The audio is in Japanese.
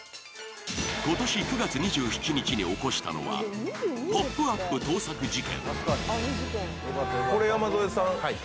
今年９月２７日に起こしたのは「ポップＵＰ！」盗作事件。